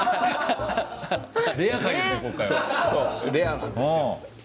レアなんですよ。